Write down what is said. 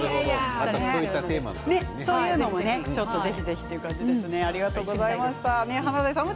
そういうテーマもぜひぜひという感じですね。